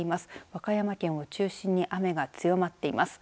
和歌山県を中心に雨が強まっています。